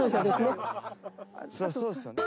そうですね。